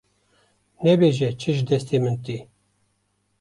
nebêje çi ji destê min tê.